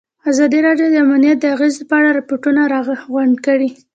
ازادي راډیو د امنیت د اغېزو په اړه ریپوټونه راغونډ کړي.